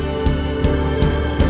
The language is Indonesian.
ini gak ada